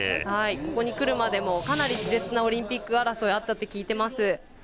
ここに来るまでもかなりしれつなオリンピック争いがあったと聞いています。